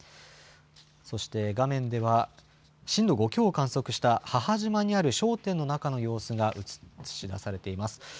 そして画面では、震度５強を観測した母島にある商店の中の様子が写し出されています。